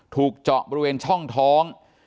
ถูกเจาะบริเวณช่องท้อง